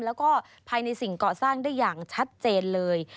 แล้วก็ภายในสิ่งเกาะสร้างได้อย่างชัดเจนเลย